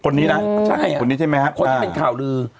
อนนี้นะใช่ไหมฮะค่ะคนนี้เป็นข่าวลือ